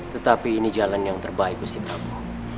tetapi ini jalan yang terbaik gusti prabu